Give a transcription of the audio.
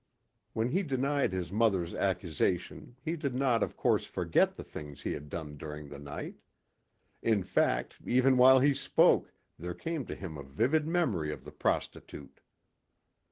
When he denied his mother's accusation he did not of course forget the things he had done during the night. In fact even while he spoke there came to him a vivid memory of the prostitute.